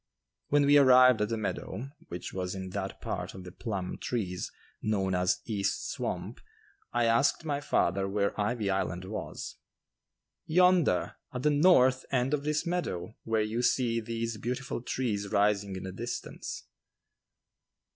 When we arrived at the meadow, which was in that part of the "Plum Trees" known as "East Swamp," I asked my father where "Ivy Island" was. "Yonder, at the north end of this meadow, where you see those beautiful trees rising in the distance."